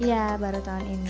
iya baru tahun ini